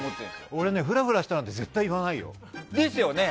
俺、ふらふらしたなんて絶対に言わないよ。